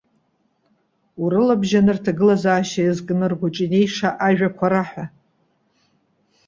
Урылабжьаны рҭагылазаашьа иазкны ргәаҿы инеиша ажәақәа раҳәа.